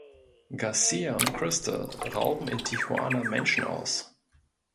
Garcia und Crystal rauben in Tijuana Menschen aus.